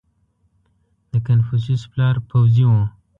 • د کنفوسیوس پلار پوځي و.